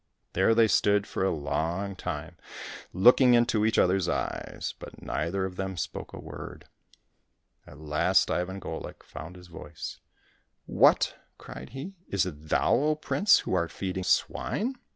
There they stood for a long time looking into each other's eyes, but neither of them spoke a word. At last Ivan Golik found his voice :" What !" cried he. "Is it thou, O prince, who art feeding swine